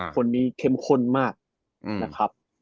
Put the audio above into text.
คนนี้เข้มข้นมากนะครับ